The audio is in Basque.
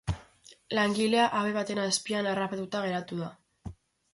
Langilea habe baten azpian harrapatuta geratu da.